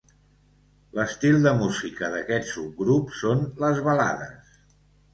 L’estil de música d’aquest subgrup són les balades.